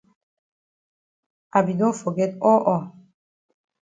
I be don forget all all.